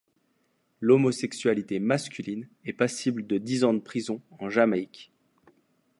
L'homosexualité masculine est passible de dix ans de prison en Jamaïque.